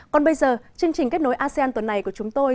còn bây giờ chương trình kết nối asean tuần này của chúng tôi